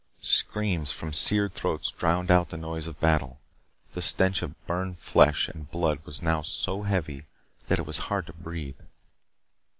Screams from seared throats drowned out the noise of battle. The stench of burned flesh and blood was now so heavy that it was hard to breathe.